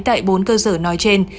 tại bốn cơ sở nói trên